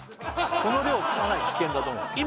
この量かなり危険だと思う